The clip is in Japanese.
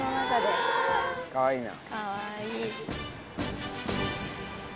かわいいな。